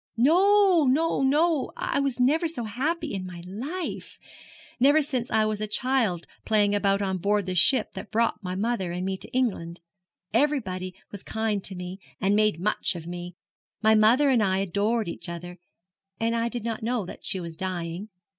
'No, no, no; I never was so happy in my life never since I was a child playing about on board the ship that brought my mother and me to England. Everybody was kind to me, and made much of me. My mother and I adored each other; and I did not know that she was dying.